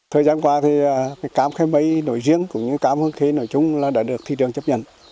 thời gian qua thì cám khay mây nổi riêng cũng như cám hương khay nổi chung là đã được thị trường chấp nhận